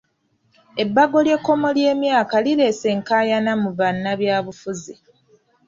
Ebbago ly'ekkomo ly'emyaka lireese enkaayana mu bannabyabufuzi.